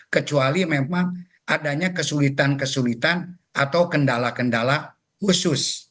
kecuali memang adanya kesulitan kesulitan atau kendala kendala khusus